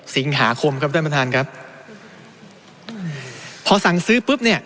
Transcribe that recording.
สิงหาคมครับท่านประธานครับอืมพอสั่งซื้อปุ๊บเนี้ย